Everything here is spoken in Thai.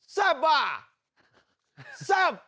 ส้ำว่ะส้ำ